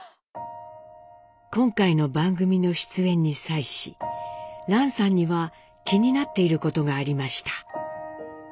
今回の番組の出演に際し蘭さんには気になっていることがありました。